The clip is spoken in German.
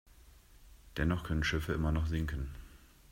Dennoch können Schiffe immer noch sinken.